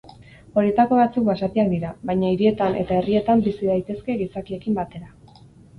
Horietako batzuk basatiak dira, baina hirietan eta herrietan bizi daitezke gizakiekin batera.